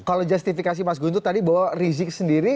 kalau justifikasi mas gun itu tadi bahwa rizik sendiri